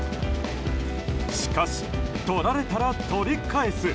しかし、取られたら取り返す。